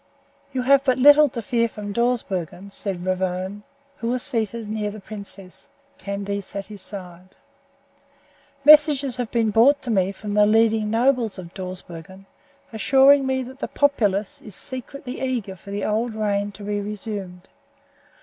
"You have but little to fear from Dawsbergen," said Ravone, who was seated near the princess. Candace at his side. "Messages have been brought to me from the leading nobles of Dawsbergen, assuring me that the populace is secretly eager for the old reign to be resumed.